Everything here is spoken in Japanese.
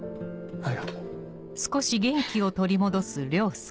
はい！